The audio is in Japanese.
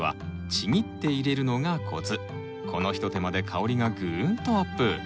この一手間で香りがグーンとアップ！